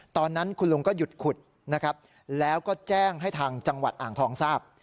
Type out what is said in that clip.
ตอนนั้นคุณลุงก็หยุดขุดนะครับแล้วก็แจ้งให้ทางจังหวัดอ่างทองทราบ